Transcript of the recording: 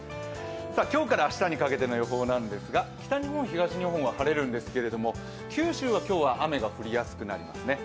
今日から明日にかけての予報ですが、北日本、東日本は晴れるんですけれども、九州は今日は雨が降りやすくなりますね。